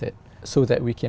sẽ được phát triển